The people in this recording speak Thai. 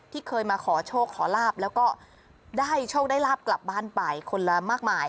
เคยมาขอโชคขอลาบแล้วก็ได้โชคได้ลาบกลับบ้านไปคนละมากมาย